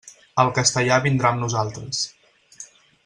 El castellà vindrà amb nosaltres.